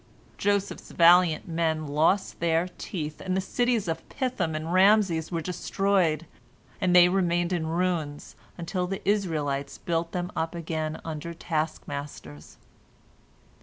Joseph's valiant men lost their teeth, and the cities of Pithom and Raamses were destroyed, and they remained in ruins until the Israelites built them up again under taskmasters.